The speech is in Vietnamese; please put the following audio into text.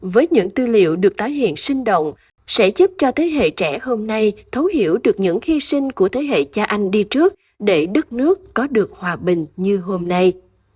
với những tư liệu được tái hiện sinh động sẽ giúp cho thế hệ trẻ hôm nay thấu hiểu được những hy sinh của thế hệ cha anh đi trước để đất nước có được hòa bình như hôm nay